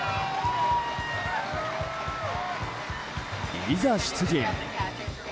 いざ出陣！